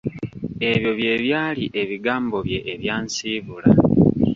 Ebyo bye byali ebigambo bye ebyansiibula.